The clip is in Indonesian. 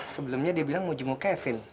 sebelumnya dia bilang mau jemuk kevin